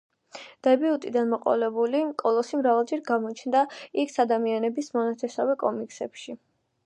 დებიუტიდან მოყოლებული, კოლოსი მრავალჯერ გამოჩნდა იქს-ადამიანების მონათესავე კომიქსებში.